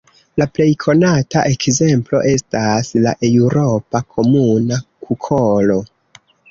La plej konata ekzemplo estas la eŭropa Komuna kukolo.